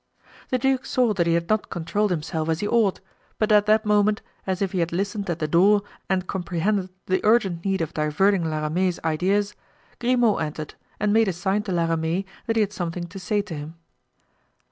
The duke saw that he had not controlled himself as he ought, but at that moment, as if he had listened at the door and comprehended the urgent need of diverting La Ramee's ideas, Grimaud entered and made a sign to La Ramee that he had something to say to him.